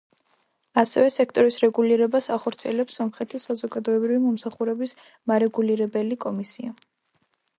ასევე სექტორის რეგულირებას ახორციელებს სომხეთის საზოგადოებრივი მომსახურების მარეგულირებელი კომისია.